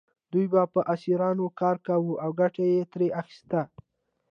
دوی به په اسیرانو کار کاوه او ګټه یې ترې اخیسته.